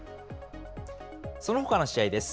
そのほかの試合です。